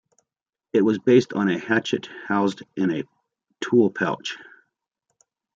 It was based on a hatchet housed in a tool pouch.